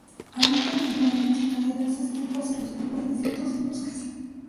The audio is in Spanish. Habita en montañas, praderas, estepas arbustivas, desiertos, y bosques.